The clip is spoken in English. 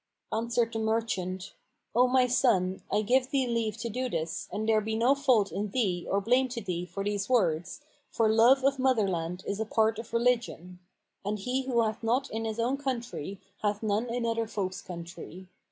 Answered the merchant, "O my son, I give thee leave to do this and there be no fault in thee or blame to thee for these words, for 'Love of mother land is a part of Religion'; and he who hath not good in his own country hath none in other folks' country.